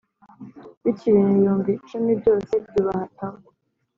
bityo ibintu ibihumbi icumi byose byubaha tao